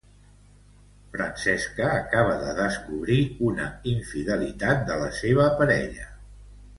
Francisca acaba de descobrir una infidelitat de la seua parella.